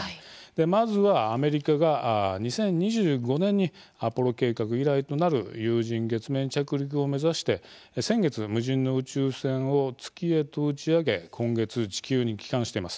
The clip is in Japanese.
まずは、アメリカが２０２５年に「アポロ計画」以来となる有人月面着陸を目指して先月、無人の宇宙船を月へと打ち上げ今月、地球に帰還しています。